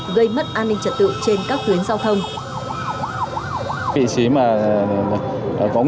gây mất an ninh trật tự trên các tuyến giao thông